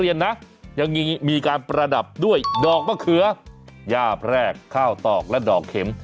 เย้าแพร่กข้าวตอกและดอกเข็ม